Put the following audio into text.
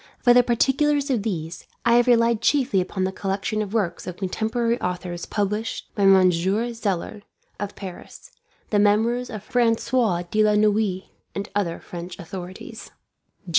For the particulars of these, I have relied chiefly upon the collection of works of contemporary authors published by Monsieur Zeller, of Paris; the Memoirs of Francois de la Noue, and other French authorities.